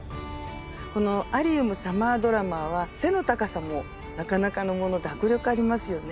このアリウムサマードラマーは背の高さもなかなかのもので迫力ありますよね。